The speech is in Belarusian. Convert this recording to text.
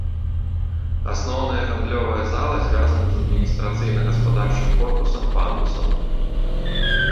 Асноўная гандлёвая зала звязана з адміністрацыйна-гаспадарчым корпусам пандусам.